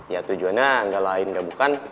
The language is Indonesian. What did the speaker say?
ya tujuannya gak lain gak bukan